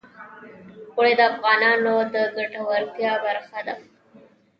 اوړي د افغانانو د ګټورتیا برخه ده.